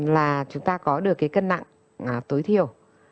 là chúng ta có được cái cân nặng tối thiểu